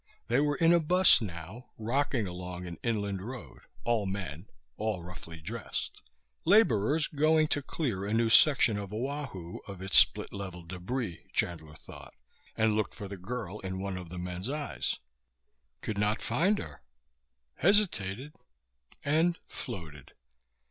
They were in a bus now, rocking along an inland road, all men, all roughly dressed. Laborers going to clear a new section of Oahu of its split level debris, Chandler thought, and looked for the girl in one of the men's eyes, could not find her, hesitated and floated.